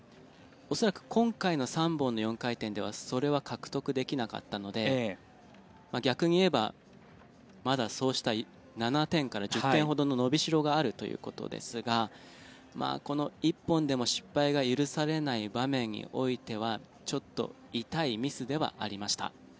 恐らく今回の３本の４回転ではそれは獲得できなかったので逆に言えば、まだそうした７点から１０点ほどののびしろがあるということですがこの１本でも失敗が許されない場面においてはちょっと痛いミスではありました。